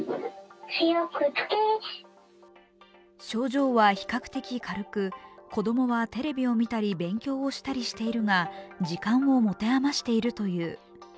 症状は比較的軽く、子供はテレビを見たり勉強したりしているが時間を持て余しているという。